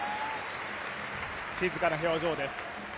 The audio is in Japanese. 静かな表情です。